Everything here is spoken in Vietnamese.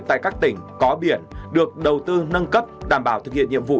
tại các tỉnh có biển được đầu tư nâng cấp đảm bảo thực hiện nhiệm vụ